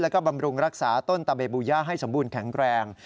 แล้วก็บำรุงรักษาต้นตะเบบูย่าให้สมบูรณ์แข็งแรง